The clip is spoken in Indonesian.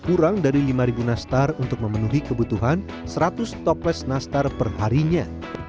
kurang dari lima nastar untuk memenuhi kebutuhan seratus toples nastar perharinya